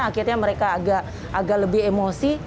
akhirnya mereka agak lebih emosi